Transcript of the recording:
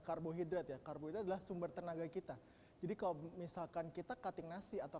karbohidrat ya karbohidrat adalah sumber tenaga kita jadi kalau misalkan kita cutting nasi atau